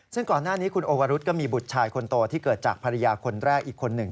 ซึ่งก่อนหน้านี้คุณโอวรุษก็มีบุตรชายคนโตที่เกิดจากภรรยาคนแรกอีกคนหนึ่ง